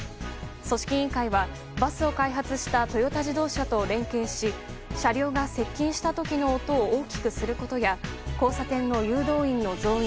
組織委員会はバスを開発したトヨタ自動車と連携し、車両が接近した時の音を大きくすることや交差点の誘導員の増員